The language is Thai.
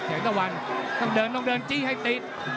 ตะวันต้องเดินต้องเดินจี้ให้ติด